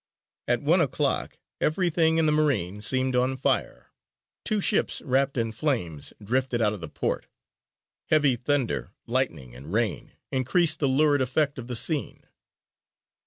" At one o'clock everything in the Marine seemed on fire: two ships wrapped in flames drifted out of the port. Heavy thunder, lightning, and rain, increased the lurid effect of the scene.